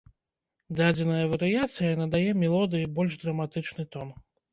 Дадзеная варыяцыя надае мелодыі больш драматычны тон.